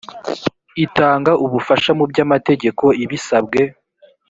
itanga ubufasha mu by amategeko ibisabwe